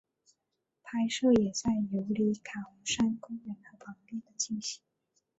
拍摄也在尤里卡红杉公园和旁边的进行。